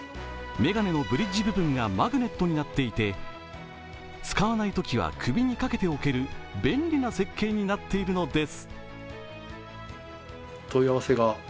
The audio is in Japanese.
眼鏡のブリッジ部分がマグネットになっていて使わないときは首にかけておける便利な設計になっているのです。